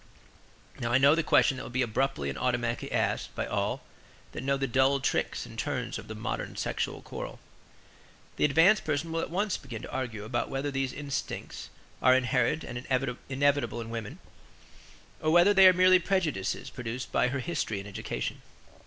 Now I know the question that will be abruptly and automatically asked by all that know the dull tricks and turns of the modern sexual quarrel. The advanced person will at once begin to argue about whether these instincts are inherent and inevitable in woman or whether they are merely prejudices produced by her history and education.